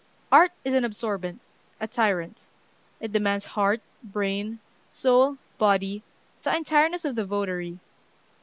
Art is an absorbent a tyrant. It demands heart, brain, soul, body, the entireness of the votary.